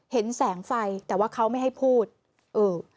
เห็นแสงไฟแต่ว่าเขาไม่ให้พูดเออ